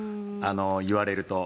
言われると。